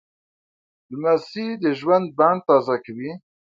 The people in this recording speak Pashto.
لمسی د ژوند بڼ تازه کوي.